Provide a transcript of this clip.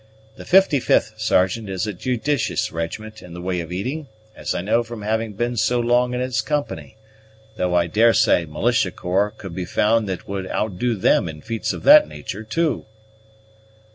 The 55th, Sergeant, is a judicous regiment in the way of eating, as I know from having been so long in its company, though I daresay militia corps could be found that would outdo them in feats of that natur' too."